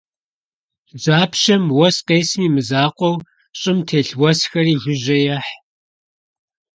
Жьапщэм уэс къесым и мызакъуэу, щӀым телъ уэсхэри жыжьэ ехь.